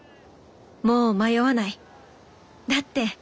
もう迷わない！だって。